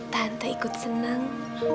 tante ikut senang